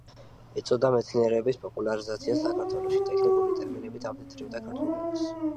ეწეოდა მეცნიერების პოპულარიზაციას საქართველოში, ტექნიკური ტერმინებით ამდიდრებდა ქართულ ენას.